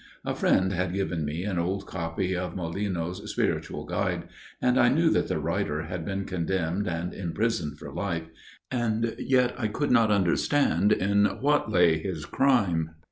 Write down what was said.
A friend had given me an old copy of Molinos' Spiritual Guide, and I knew that the writer had been condemned and imprisoned for life, and yet I could not understand in what lay his crime.